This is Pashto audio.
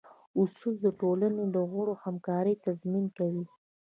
اصول د ټولنې د غړو همکارۍ تضمین کوي.